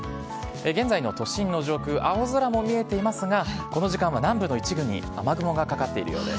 現在の都心の上空、青空も見えていますが、この時間は南部の一部に雨雲がかかっているようです。